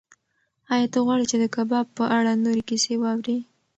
ایا ته غواړې چې د کباب په اړه نورې کیسې واورې؟